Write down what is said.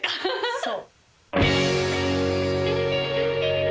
そう。